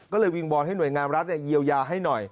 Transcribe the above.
ก็เลยวิงวอนให้หน่วยงานรัฐเยียวยาให้หน่อย